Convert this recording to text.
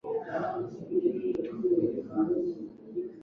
Uchambuzi zaidi za takwimu muhimu za mwaka elfu mbili na kumi na sita